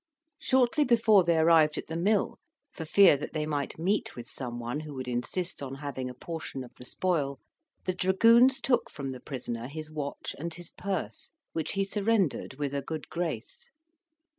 Shortly before they arrived at the mill, for fear that they might meet with some one who would insist on having a portion of the spoil, the dragoons took from the prisoner his watch and his purse, which he surrendered with a good grace.